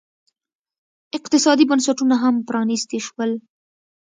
اقتصادي بنسټونه هم پرانیستي شول.